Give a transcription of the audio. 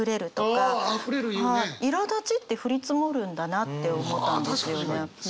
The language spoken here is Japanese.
「苛立ち」って「降り積もる」んだなって思ったんですよね。